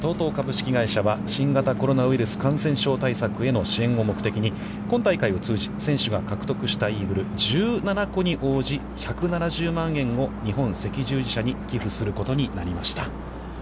ＴＯＴＯ株式会社は新型コロナウイルス感染症対策への支援を目的に、今大会を通じ選手が獲得したイーグル１７個に応じ、１７０万円を日本赤十字社に寄付することになりました。